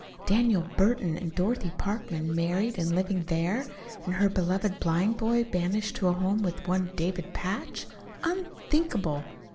Daniel Burton and Dorothy Parkman married and living there, and her beloved blind boy banished to a home with one David Patch? Unthinkable!